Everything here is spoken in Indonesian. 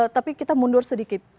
tapi kita mundur sedikit